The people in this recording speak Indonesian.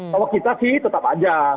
kalau kita sih tetap aja